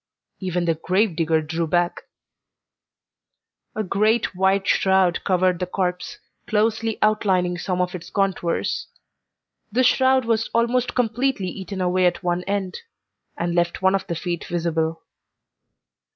Even the grave digger drew back. A great white shroud covered the corpse, closely outlining some of its contours. This shroud was almost completely eaten away at one end, and left one of the feet visible.